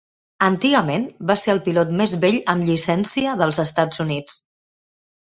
Antigament, va ser el pilot més vell amb llicència dels Estats Units.